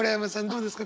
どうですか？